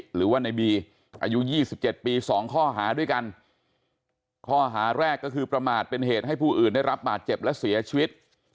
หรือว่าในบีอายุ๒๗ปี๒ข้อหาด้วยกันข้อหาแรกก็คือประมาทเป็นเหตุให้ผู้อื่นได้รับบาดเจ็บและเสียชีวิต